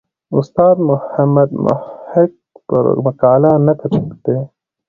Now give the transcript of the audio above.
استاد محمد محق پر مقاله نقد دی.